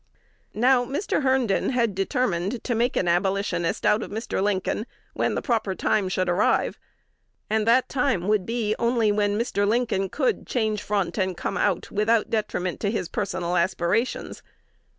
Now, Mr. Herndon had determined to make an Abolitionist out of Mr. Lincoln when the proper time should arrive; and that time would be only when Mr. Lincoln could change front and "come out" without detriment to his personal aspirations.